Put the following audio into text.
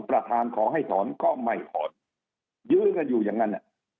ประธานขอให้ถอนก็ไม่ถอนยื้อกันอยู่อย่างนั้น